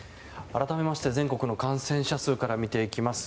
改めまして、全国の感染者数から見ていきます。